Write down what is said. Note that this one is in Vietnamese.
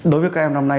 đối với các em năm nay